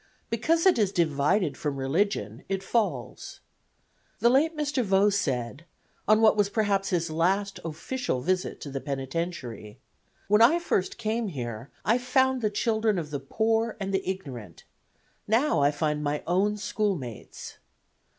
Because it is divided from religion it falls. The late Mr. Vaux said on what was perhaps his last official visit to the penitentiary: 'When I first came here I found the children of the poor and the ignorant. Now I find my own schoolmates.